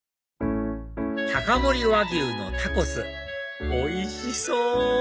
高森和牛のタコスおいしそう！